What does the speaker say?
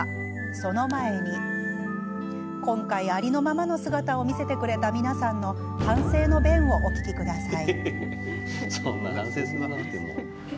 その前に今回、ありのままの姿を見せてくれた皆さんの反省の弁をお聞きください。